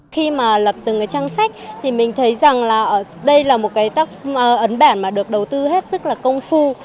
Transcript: khi mà lật từng cái trang sách thì mình thấy rằng là đây là một cái ấn bản mà được đầu tư hết sức là công phu